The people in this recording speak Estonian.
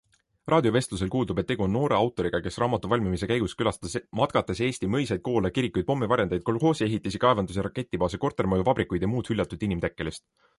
Raadiovestlusest kuuldub, et tegu on noore autoriga, kes raamatu valmimise käigus külastas matkates Eesti mõisaid, koole, kirikuid, pommivarjendeid, kolhoosiehitisi, kaevandusi, raketibaase, kortermaju, vabrikuid ja muud hüljatut inimtekkelist.